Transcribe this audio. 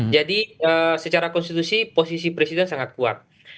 jadi secara konstitusi posisi presiden sangat kuat